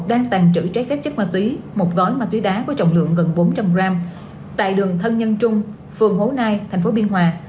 đang tàng trữ trái phép chất ma túy một gói ma túy đá có trọng lượng gần bốn trăm linh g tại đường thân nhân trung phường hấu nai thành phố biên hòa